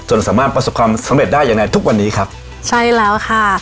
จนสำหรับประสบความสำเร็จได้อย่างไหนทุกวันนี้ครับใช่แล้วค่ะ